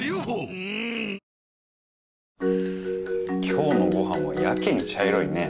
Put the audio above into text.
今日のご飯はやけに茶色いね。